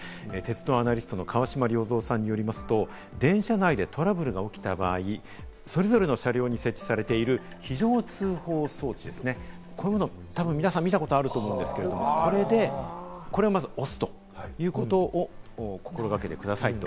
鉄道アナリストの川島令三さんによりますと、電車内でトラブルが起きた場合、それぞれの車両に設置されている非常通報装置、こういうの皆さん、たぶん見たことがあると思うんですが、これをまず押すということを心掛けてくださいと。